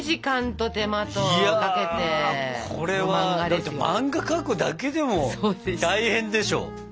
だって漫画描くだけでも大変でしょ。